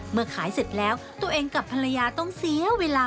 เมื่อขายเสร็จแล้วตัวเองกับภรรยาต้องเสียเวลา